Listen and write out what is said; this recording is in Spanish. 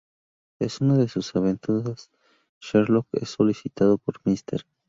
En una de sus aventuras, Sherlock es solicitado por Mr.